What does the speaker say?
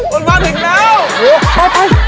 มันมาถึงแล้ว